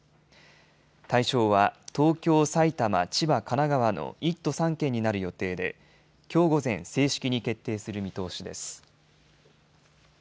対象は東京、埼玉、千葉、神奈川の１都３県になる予定できょう午前、正式に決定する見通しです。